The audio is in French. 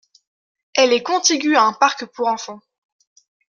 Elle est contiguë à un parc pour enfants.